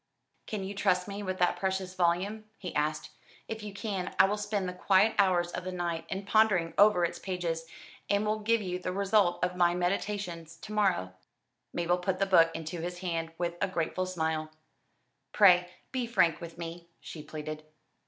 "Can you trust me with that precious volume?" he asked. "If you can, I will spend the quiet hours of the night in pondering over its pages, and will give you the result of my meditations to morrow." Mabel put the book into his hand with a grateful smile. "Pray be frank with me," she pleaded.